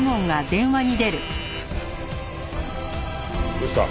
どうした？